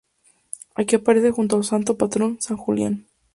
Aquí aparece junto a su santo patrón, san Julián.